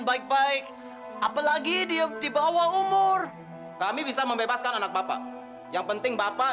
sampai jumpa di video selanjutnya